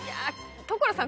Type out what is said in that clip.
所さん